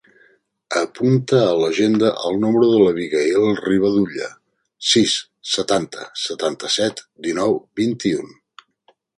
Apunta a l'agenda el número de l'Abigaïl Rivadulla: sis, setanta, setanta-set, dinou, vint-i-u.